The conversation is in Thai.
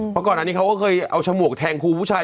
เพราะก่อนอันนี้เขาก็เคยเอาฉมวกแทงครูผู้ชาย